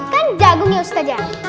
kan jagung ya ustadzah